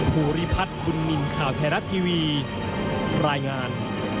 ภูริพัฒน์บุญนินทร์ข่าวไทยรัฐทีวีรายงาน